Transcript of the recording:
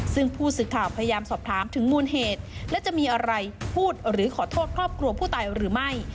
ซึ่งผู้สื่อข่าวพยายามสอบถามถึงมูลเหตุและจะมีอะไรพูดหรือขอโทษครอบครัวผู้ตายหรือไม่